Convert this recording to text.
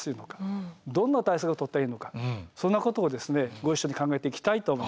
どんな対策をとったらいいのかそんなことをご一緒に考えていきたいと思います。